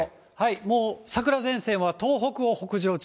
もう桜前線は、東北を北上中。